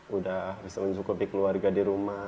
udah bisa mencukupi keluarga di rumah